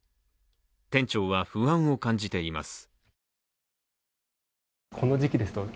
店長は不安を感じています。